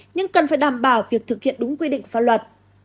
nhưng cần phải đảm bảo việc thực hiện đúng quy định pháp luật